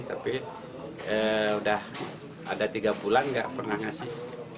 tapi sudah ada tiga bulan tidak pernah kasih